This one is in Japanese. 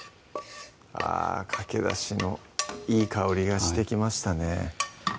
あぁかけだしのいい香りがしてきましたね